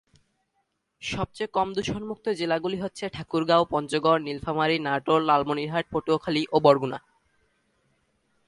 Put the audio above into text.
সবচেয়ে কম দূষণযুক্ত জেলাগুলি হচ্ছে ঠাকুরগাঁও, পঞ্চগড়, নীলফামারী, নাটোর, লালমনিরহাট, পটুয়াখালী ও বরগুনা।